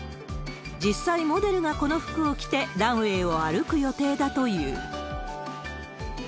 実際、モデルがこの服を着てランウエーを歩く予定だという。